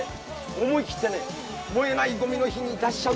思い切ってね、燃えないごみの日に出しちゃう。